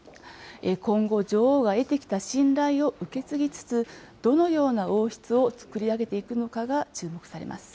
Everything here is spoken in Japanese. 今後、女王が得てきた信頼を受け継ぎつつ、どのような王室を作り上げていくのかが注目されます。